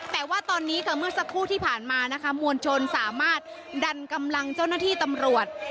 แต่ว่าตอนนี้ค่ะเมื่อสักครู่ที่ผ่านมานะคะมวลชนสามารถดันกำลังเจ้าหน้าที่ตำรวจ